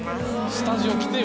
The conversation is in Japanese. スタジオ来てよ